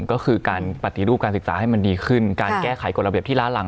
ก็คือการปฏิรูปการศึกษาให้มันดีขึ้นการแก้ไขกฎระเบียบที่ล้าหลัง